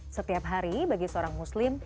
setiap hari bagi seorang muslim